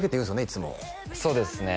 いつもそうですね